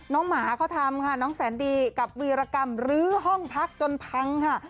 หมาเขาทำค่ะน้องแสนดีกับวีรกรรมลื้อห้องพักจนพังค่ะ